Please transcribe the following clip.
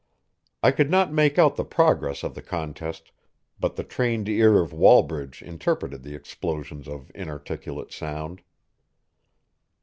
I could not make out the progress of the contest, but the trained ear of Wallbridge interpreted the explosions of inarticulate sound.